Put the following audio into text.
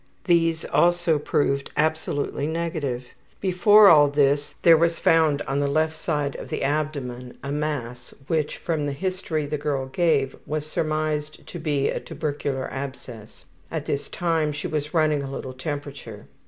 These also proved absolutely negative. Before all this, there was found on the left side of the abdomen a mass which, from the history the girl gave, was surmised to be a tubercular abscess. At this time she was running a little temperature.